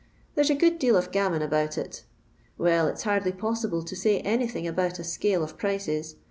There '* a good deal of gammon ab iut it. Well, it'* liaidly possible to mj anything about a scale of prices.